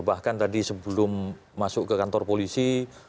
bahkan tadi sebelum masuk ke kantor polisi